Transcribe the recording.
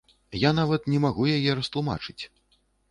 Я нават не магу яе растлумачыць.